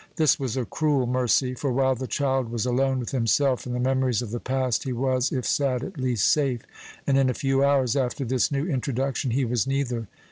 This was a cruel mercy; for while the child was alone with himself and the memories of the past, he was, if sad, at least safe, and in a few hours after this new introduction he was neither.